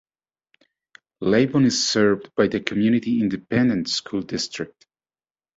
Lavon is served by the Community Independent School District.